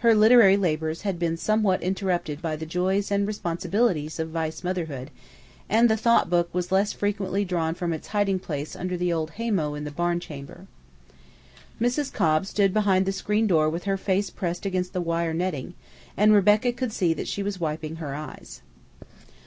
Her literary labors had been somewhat interrupted by the joys and responsibilities of vice motherhood, and the thought book was less frequently drawn from its hiding place under the old haymow in the barn chamber. Mrs. Cobb stood behind the screen door with her face pressed against the wire netting, and Rebecca could see that she was wiping her eyes.